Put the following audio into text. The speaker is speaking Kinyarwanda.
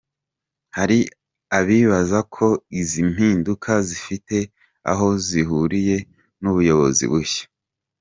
Hari abibaza ko izi mpinduka zifite aho zihuriye n’ubuyobozi bushya.